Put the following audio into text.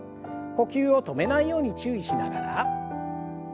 呼吸を止めないように注意しながら。